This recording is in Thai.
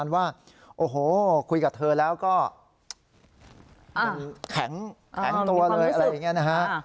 ว่าโอ้โหคุยกับเธอแล้วก็มันแข็งตัวเลยอะไรอย่างนี้นะฮะ